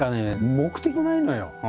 目的もないのよ。